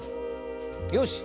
よし！